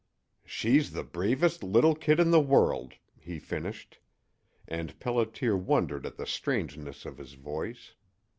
"She's the bravest little kid in the world," he finished; and Pelliter wondered at the strangeness of his voice.